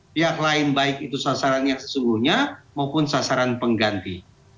pihak lain baik itu sasaran yang sesungguhnya maupun sasaran pengganti